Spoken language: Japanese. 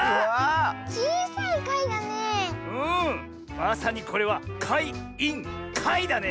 まさにこれはかいインかいだね。